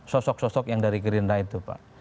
sosok sosok yang dari gerindra itu pak